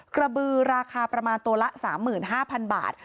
กระบือราคาประมาณตัวละ๓๕๐๐๐บาท